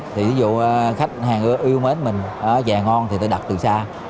thì ví dụ khách hàng yêu mến mình chè ngon thì tôi đặt từ xa